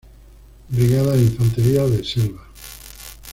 Brigada de Infantería de Selva.